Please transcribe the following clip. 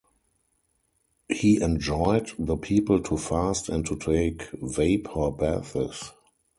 He enjoined the people to fast and to take vapor baths.